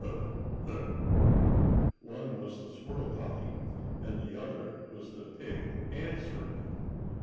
Wuff! Wuff! Ugh! Ugh!" One was the squirrel talking, and the other was the pig answering.